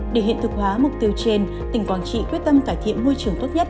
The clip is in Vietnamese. để hiện thực hóa mục tiêu trên tỉnh quảng trị quyết tâm cải thiện môi trường tốt nhất